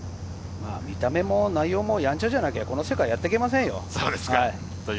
見た目も内容もやんちゃじゃないと、この世界はやっていけませんよ。